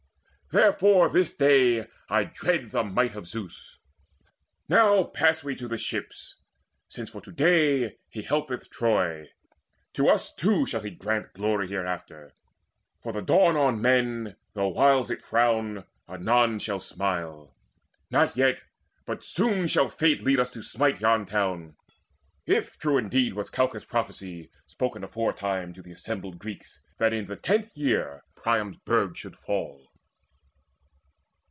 Therefore this day I dread the might of Zeus. Now, pass we to the ships, since for to day He helpeth Troy. To us too shall he grant Glory hereafter; for the dawn on men, Though whiles it frown, anon shall smile. Not yet, But soon, shall Fate lead us to smite yon town, If true indeed was Calchas' prophecy Spoken aforetime to the assembled Greeks, That in the tenth year Priam's burg should fall."